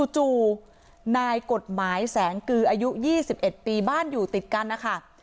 จู่นายกฎหมายแสงกืออายุ๒๑ปีบ้านอยู่ติดกันนะคะ